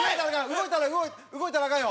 動いたら動いたらアカンよ。